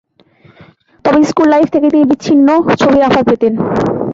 তবে school life থেকেই তিনি বিভিন্ন ছবির অফার পেতেন।